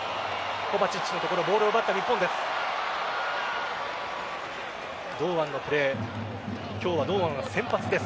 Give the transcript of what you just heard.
コヴァチッチのところボールを奪った日本です。